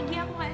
aku takut satria